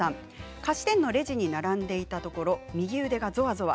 菓子店のレジに並んでいたところ右腕がぞわぞわ。